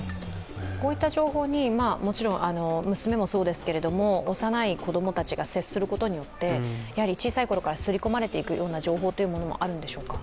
こういった情報にもちろん娘もそうですけど幼い子供たちが接することによって、小さいころからすり込まれていくような情報はあるんでしょうか？